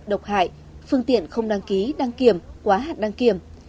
độc hại phương tiện không đăng ký đăng kiểm quá hạn đăng kiểm